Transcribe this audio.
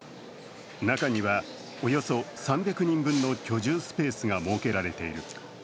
中には、およそ３００人分の居住スペースが設けられている。